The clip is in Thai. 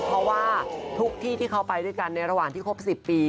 เพราะว่าทุกที่ที่เขาไปด้วยกันในระหว่างที่ครบ๑๐ปี